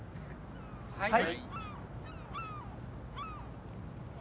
はい。